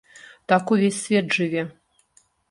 Так увесь свет жыве.